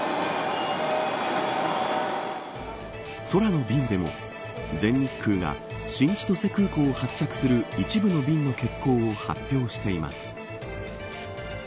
空の便でも、全日空が新千歳空港を発着する一部の便の欠航を発表しています。